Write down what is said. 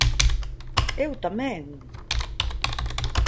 Eu tamén!